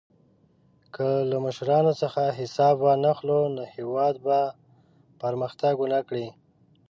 که له مشرانو څخه حساب وانخلو، نو هېواد به پرمختګ ونه کړي.